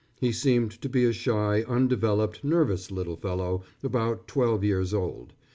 He seemed to be a shy, undeveloped, nervous little fellow, about twelve years old.